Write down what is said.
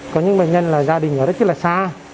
có những bệnh nhân là gia đình ở đất rất là xa